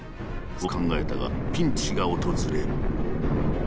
そう考えたがピンチが訪れる。